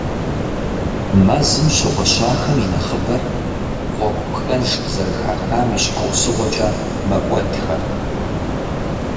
Мэзым щыгъуэщахэм и нэхъыбэр гъуэгу пхэнж къызэрыхахам и щхьэусыгъуэкӏэ мэкӏуэдхэр.